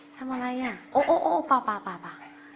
ทำอะไรอ่ะโอ้โหโอ้โหป่าวป่าวป่าวป่าว